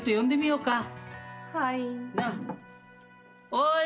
おい。